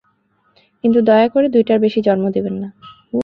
কিন্তু দয়াকরে, দুইটার বেশি জন্ম দিবেন না।